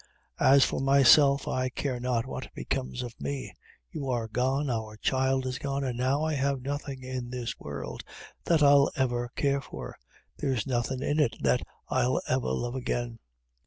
As for myself, I care not what becomes of me; you are gone, our child is gone, and now I have nothing in this world that I'll ever care for; there's nothing in it that I'll ever love again."